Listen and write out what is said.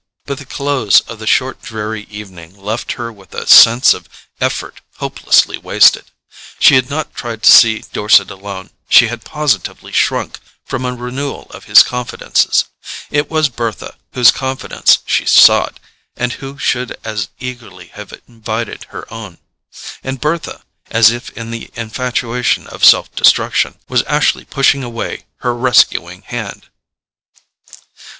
But the close of the short dreary evening left her with a sense of effort hopelessly wasted. She had not tried to see Dorset alone: she had positively shrunk from a renewal of his confidences. It was Bertha whose confidence she sought, and who should as eagerly have invited her own; and Bertha, as if in the infatuation of self destruction, was actually pushing away her rescuing hand.